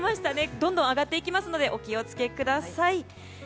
どんどん上がっていきますのでお気を付けください。